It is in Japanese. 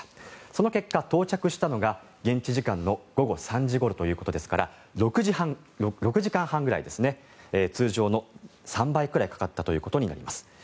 その結果到着したのが現地時間の午後３時ごろということですから６時間半ぐらい通常の３倍くらいかかったということになります。